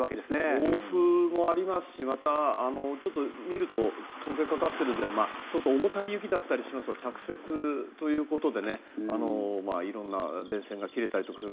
暴風もありますしまた、見ると解けかかっているので重たい雪だったりしまうので着雪ということで色んな電線が切れたりとかする。